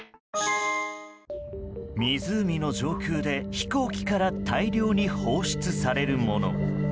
湖の上空で飛行機から大量に放出されるもの。